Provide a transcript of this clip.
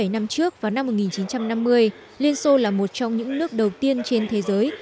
bảy năm trước vào năm một nghìn chín trăm năm mươi liên xô là một trong những nước đầu tiên trên thế giới